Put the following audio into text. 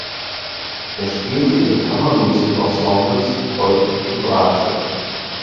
Er spielte in Kammermusikensembles häufig die Bratsche.